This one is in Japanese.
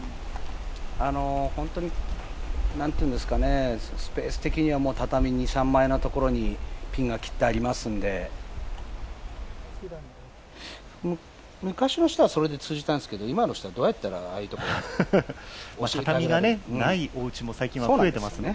本当にスペース的には畳み２３枚のところにピンが切ってありますので昔の人はそれで通じたんですけど今の人はどうやってああいうところ、教えてあげられるんだろうね。